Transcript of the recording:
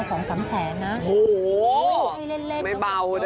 โอ้โหไม่เบาเด้อ